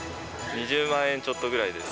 ２０万円ちょっとぐらいです。